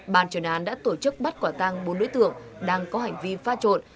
bàn truyền án đã tổ chức bắt quả tăng bốn đối tượng đang có hành vi pha trộn